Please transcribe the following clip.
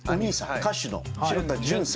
歌手の城田純さん。